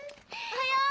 おはよう。